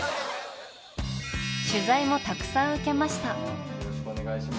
取材もたくさん受けました。